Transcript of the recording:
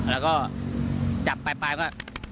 แล้วก็จับไปก็